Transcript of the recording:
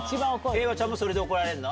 平和ちゃんもそれで怒られるの？